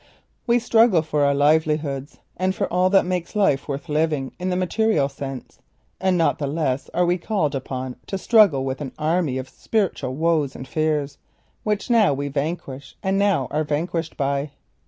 We struggle for our livelihoods, and for all that makes life worth living in the material sense, and not the less are we called upon to struggle with an army of spiritual woes and fears, which now we vanquish and now are vanquished by.